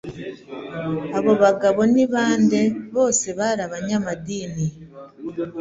abo bagabo ni bande Bose bari abanyamadini